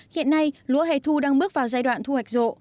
hiện nay lúa hẻ thu đang bước vào giai đoạn thu hoạch rộ